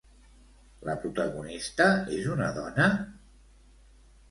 La protagonista és una dona?